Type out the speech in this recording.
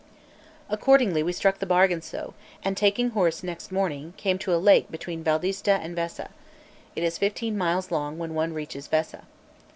Accordingly we struck the bargain so; and taking horse next morning, came to a lake between Valdistate and Vessa; it is fifteen miles long when one reaches Vessa.